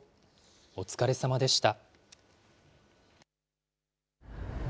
お疲れさまでした。